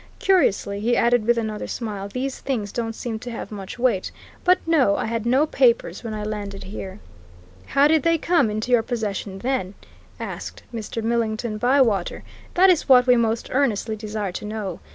Curiously," he added with another smile, "these things don't seem to have much weight. But no! I had no papers when I landed here." "How did they come into your possession, then?" asked Mr. Millington Bywater. "That is what we most earnestly desire to know.